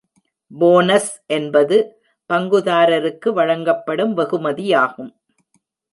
Bonus என்பது பங்குதாரருக்கு வழங்கப்படும் வெகுமதியாகும்.